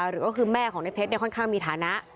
หรือก็คือแม่ของในเพชรค่อนข้างมีฐานะ